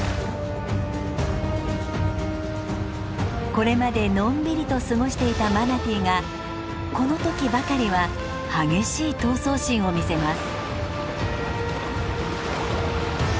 これまでのんびりと過ごしていたマナティーがこの時ばかりは激しい闘争心を見せます。